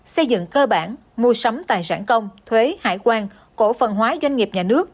xây dựng cơ bản mua sắm tài sản công thuế hải quan cổ phần hóa doanh nghiệp nhà nước